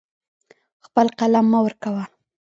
خپل قلم مه ورکوه.